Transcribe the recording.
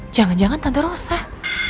jangan jangan tante rusak